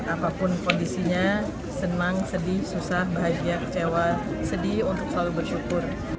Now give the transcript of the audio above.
apapun kondisinya senang sedih susah bahagia kecewa sedih untuk selalu bersyukur